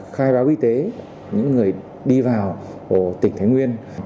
khai báo y tế những người đi vào tỉnh thái nguyên